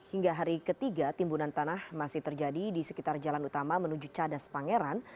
hingga hari ketiga timbunan tanah masih terjadi di sekitar jalan utama menuju cadas pangeran